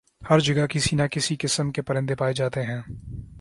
ہر جگہ کسی نہ کسی قسم کے پرندے پائے جاتے ہیں